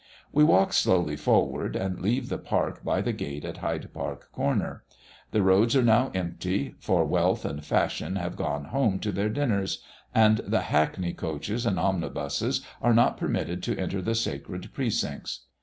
We walk slowly forward, and leave the park by the gate at Hyde Park Corner. The roads are now empty, for wealth and fashion have gone home to their dinners; and the hackney coaches and omnibuses are not permitted to enter the sacred precincts.